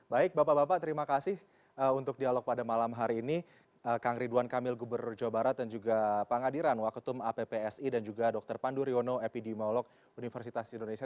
baik bapak bapak terima kasih untuk dialog pada malam hari ini kang ridwan kamil gubernur jawa barat dan juga pengadiran waketum appsi dan juga dr pandu riono epidemiolog universitas indonesia